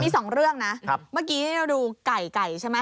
มีสองเรื่องนะเมื่อกี้เราดูไก่ไก่ใช่ไหม